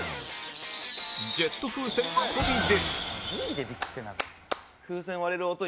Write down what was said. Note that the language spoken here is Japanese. ジェット風船が飛び出るあっ！